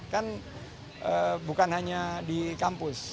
kan bukan hanya di kampus